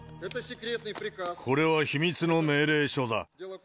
これは秘密の命令書だ。